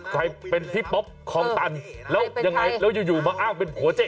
ใครเป็นพี่ป๊อปคลองตันแล้วยังไงแล้วอยู่มาอ้างเป็นผัวเจ๊